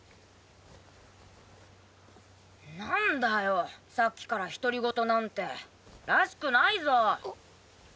なんだよさっきから独り言なんてらしくないぞ。